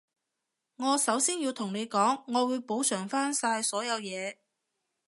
我首先要同你講，我會補償返晒所有嘢